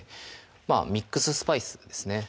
まぁミックススパイスですね